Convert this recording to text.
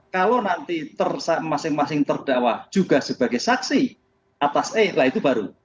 kalau nanti masing masing terdakwa juga sebagai saksi atas eh lah itu baru